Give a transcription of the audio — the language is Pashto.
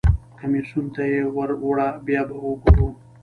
کمیسیون ته یې ور وړه بیا به وګورو.